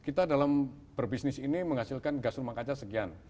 kita dalam berbisnis ini menghasilkan gas rumah kaca sekian